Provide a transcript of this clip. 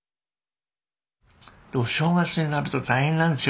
正月になると大変なんですよ